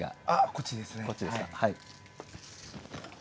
こっちですか。